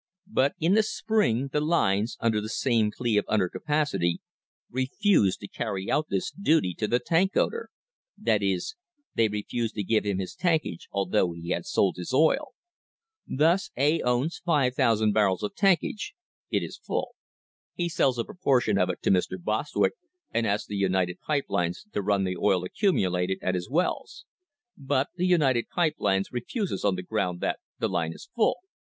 But in the spring the lines, under the same plea of under capacity, refused to carry out this duty to the tank owner; that is, they refused to give him his tankage, although he had sold his oil. Thus A owns 5,000 barrels of tankage. It is full. He sells a portion of it to Mr. Bostwick and asks the United Pipe Lines to run the oil accumulated at his wells. But the United Pipe Lines refuses on the ground that the line is full.